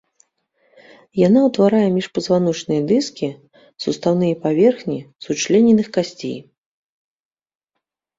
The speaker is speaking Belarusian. Яна ўтварае міжпазваночныя дыскі, сустаўныя паверхні сучлененых касцей.